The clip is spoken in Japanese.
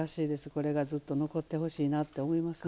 これがずっと残ってほしいなって思いますね。